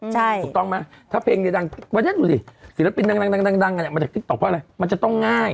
ถูกต้องไหมถ้าเพลงดังวันนี้ดูดิศิลปินดังมาจากติ๊กต๊อกเพราะอะไรมันจะต้องง่าย